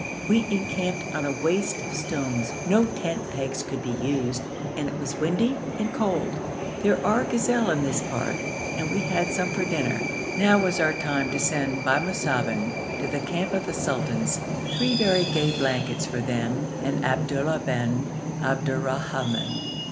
We encamped on a waste of stones; no tent pegs could be used, and it was windy and cold. There are gazelle in this part and we had some for dinner. Now was our time to send by Musaben to the camp of the sultans three very gay blankets for them and Abdullah bin Abdurrahman.